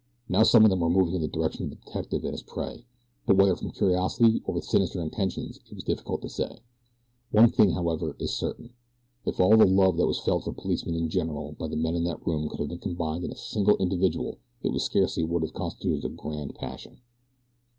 Now some of them were moving in the direction of the detective and his prey, but whether from curiosity or with sinister intentions it is difficult to say. One thing, however, is certain if all the love that was felt for policemen in general by the men in that room could have been combined in a single individual it still scarcely would have constituted a grand passion.